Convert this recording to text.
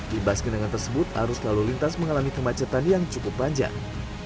di bas genangan tersebut arus lalu lintas mengalami kemacetan yang cukup panjang